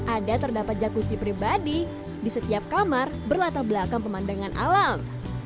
ada terdapat jakusi pribadi di setiap kamar berlatar belakang pemandangan alam